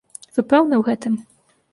Вы пэўны ў гэтым?